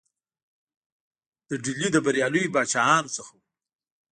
د ډهلي له بریالیو پاچاهانو څخه وو.